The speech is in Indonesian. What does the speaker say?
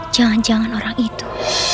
jangan jangan orang itu